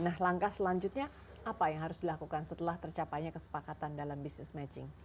nah langkah selanjutnya apa yang harus dilakukan setelah tercapainya kesepakatan dalam business matching